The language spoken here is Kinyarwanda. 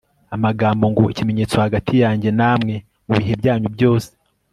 Amagambo ngo ikimenyetso hagati yanjye na mwe mu bihe byanyu byose